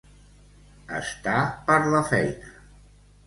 Estar per la feina.